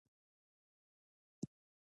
افغانستان د غرونه په برخه کې نړیوال شهرت لري.